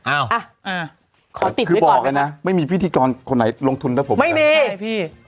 อ้าวคือบอกเลยนะไม่มีพิธีกรคนไหนลงทุนกับผมนะครับใช่พี่